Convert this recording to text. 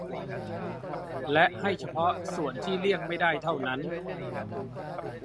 และให้เฉพาะส่วนที่เลี่ยงไม่ได้เท่านั้น